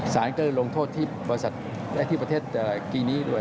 ๑๐ษทีก็เลยลงโทษที่ประเทศกรีนีด้วย